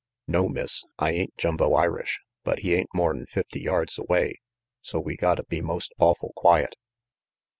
"No, Miss, I ain't Jumbo Irish, but he ain't more'n fifty yards away, so we gotta be most awful quiet."